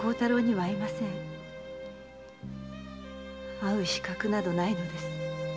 〔会う資格などないのです〕